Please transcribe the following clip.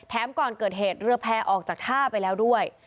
ก่อนเกิดเหตุเรือแพร่ออกจากท่าไปแล้วด้วย